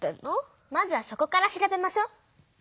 まずはそこから調べましょ。